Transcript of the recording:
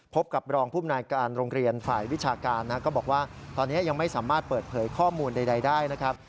พบกับรองภูมิในการโรงเรียนฝ่ายวิชาการนะก็บอกว่าตอนนี้ยังไม่สามารถเปิดเผยข้อมูลใดได้นะครับ